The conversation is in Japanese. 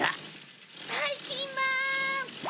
・ばいきんまん！